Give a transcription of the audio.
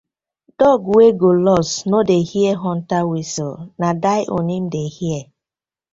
Dog wey go lost no dey hear hunter whistle na die own im dey hear.